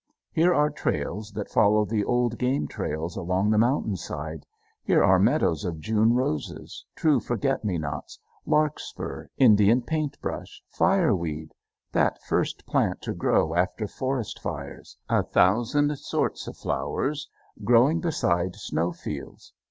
Here are trails that follow the old game trails along the mountain side; here are meadows of June roses, true forget me nots, larkspur, Indian paintbrush, fireweed, that first plant to grow after forest fires, a thousand sorts of flowers, growing beside snow fields.